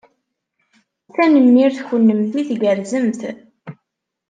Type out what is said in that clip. Tanemmirt, kennemti tgerrzemt!